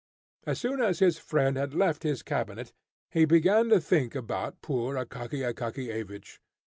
As soon as his friend had left his cabinet, he began to think about poor Akaky Akakiyevich.